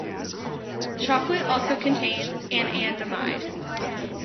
Chocolate also contains anandamide.